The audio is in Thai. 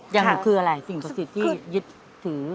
อย่างหนูคืออะไรสิ่งศักดิ์สิทธิ์ที่ยึดถือ